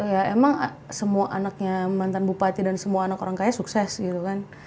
ya emang semua anaknya mantan bupati dan semua anak orang kaya sukses gitu kan